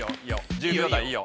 １０秒台いいよ。